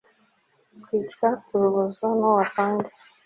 twicwa urubozo nuwo afande